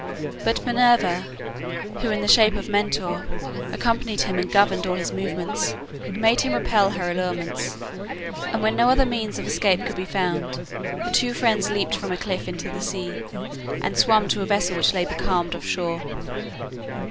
But Minerva, who in the shape of Mentor accompanied him and governed all his movements, made him repel her allurements, and when no other means of escape could be found, the two friends leaped from a cliff into the sea, and swam to a vessel which lay becalmed off shore.